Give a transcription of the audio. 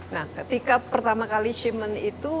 nah ketika pertama kali shipment itu